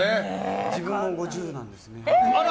自分も５０なんですね。